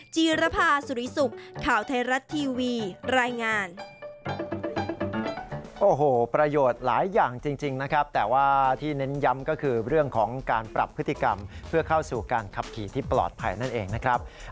จีรภาสุริสุปข่าวไทยรัฐทีวีรายงาน